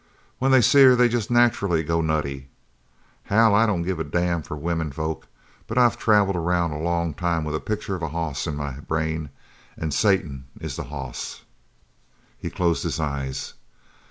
When they see her they jest nacherally goes nutty. Hal, I don't give a damn for women folk, but I've travelled around a long time with a picture of a hoss in my brain, an' Satan is the hoss." He closed his eyes.